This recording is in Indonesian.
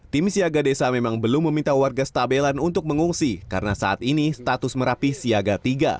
tim siaga desa memang belum meminta warga stabelan untuk mengungsi karena saat ini status merapi siaga tiga